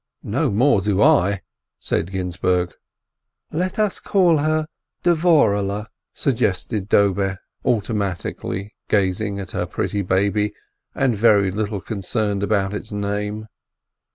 "No more do I," said Ginzburg. "Let us call her Dvorehle," suggested Dobe, auto matically, gazing at her pretty baby, and very little concerned about its name.